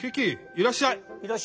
いらっしゃい。